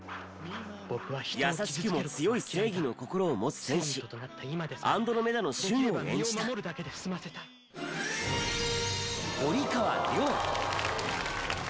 優しくも強い正義の心を持つ戦士アンドロメダの瞬を演じた堀川りょう。